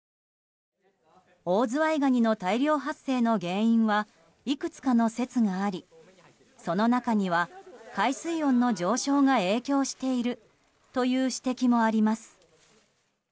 オオズワイガニの大量発生の原因はいくつかの説がありその中には海水温の上昇が影響しているという指摘もあります。